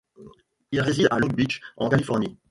Il réside à Long Beach en Californie.